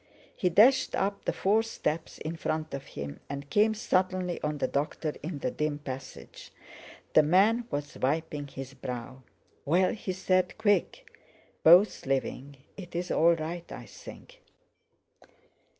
He dashed up the four steps in front of him, and came suddenly on the doctor in the dim passage. The man was wiping his brow. "Well?" he said; "quick!" "Both living; it's all right, I think."